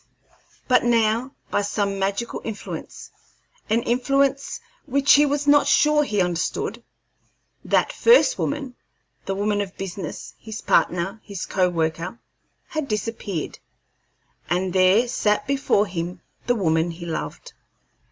But now, by some magical influence an influence which he was not sure he understood that first woman, the woman of business, his partner, his co worker, had disappeared, and there sat before him the woman he loved.